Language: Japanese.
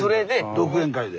独演会で。